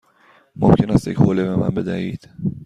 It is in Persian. ممکن است یک حوله به من بدهید؟